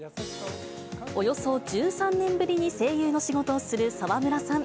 およそ１３年ぶりに声優の仕事をする沢村さん。